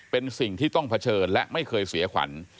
เป็นสิ่งที่ต้องเผชิญและไม่เคยเสียขวัญ